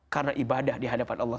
karena ibadah dihadapan allah